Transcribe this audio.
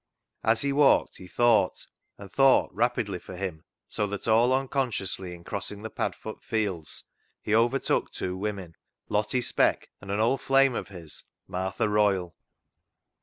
As he walked he thought, and thought rapidly for him, so that all un consciously in crossing the Padfoot fields he overtook two women, Lottie Speck and an old flame of his, Martha Royle.